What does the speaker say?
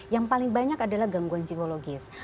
yang paling banyak adalah gangguan psikologis